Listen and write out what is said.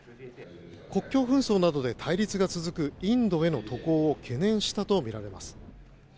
国境紛争などで対立が続くインドへの渡航を懸念したとみられます。